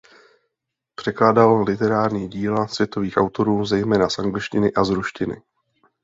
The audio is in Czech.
Překládal literární díla světových autorů zejména z angličtiny a z ruštiny.